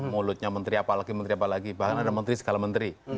mulutnya menteri apa lagi menteri apa lagi bahkan ada menteri segala menteri